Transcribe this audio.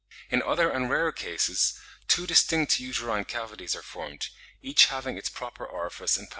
In other and rarer cases, two distinct uterine cavities are formed, each having its proper orifice and passage.